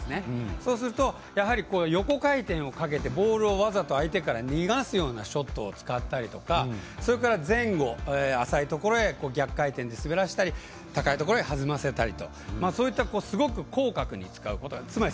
そうすると横回転をかけてボールをわざと相手から逃がすようなショットを使ったりそれから前後、浅いところに逆回転で滑らせたり高いところへ弾ませたりとそのように非常に広角に使うことができる。